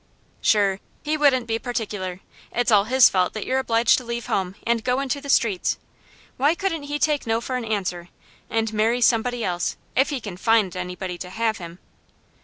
"Shure, he wouldn't be particular. It's all his fault that you're obliged to leave home, and go into the streets. Why couldn't he take no for an answer, and marry somebody else, if he can find anybody to have him?"